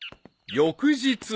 ［翌日］